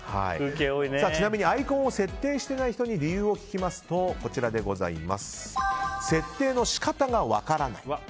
ちなみにアイコンを設定していない人に理由を聞きますと設定の仕方が分からない。